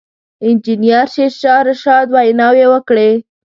انجنیر شېرشاه رشاد ویناوې وکړې.